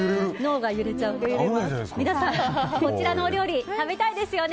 皆さん、こちらのお料理食べたいですよね？